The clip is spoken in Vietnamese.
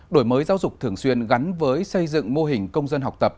đổi mới giáo dục thường xuyên gắn với xây dựng mô hình công dân học tập